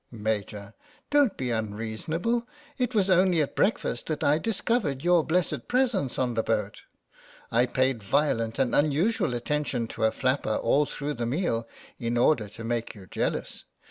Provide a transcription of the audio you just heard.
Maj\ : Don't be unreasonable. It was only at breakfast that I discovered your blessed presence on the boat. I paid violent and unusual attention to a flapper all through the meal in order to make you jealous.